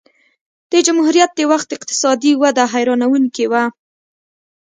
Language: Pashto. د جمهوریت د وخت اقتصادي وده حیرانوونکې وه.